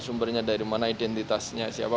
sumbernya dari mana identitasnya siapa